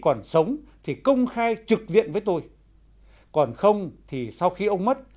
nếu ông hà thúc ký không sống thì công khai trực diện với tôi còn không thì sau khi ông mất